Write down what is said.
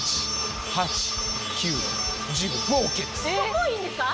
もういいんですか？